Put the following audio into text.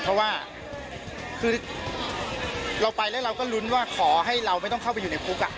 เพราะว่าคือเราไปแล้วเราก็ลุ้นว่าขอให้เราไม่ต้องเข้าไปอยู่ในคุก